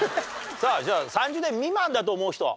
さあじゃあ３０代未満だと思う人？